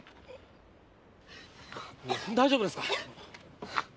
大丈夫ですか？